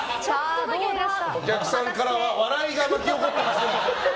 お客さんからは笑いが巻き起こってます。